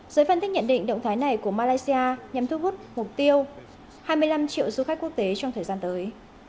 giới phân tích nhận định động thái này của malaysia nhằm thu hút mục tiêu hai mươi năm triệu du khách quốc tế trong thời gian tới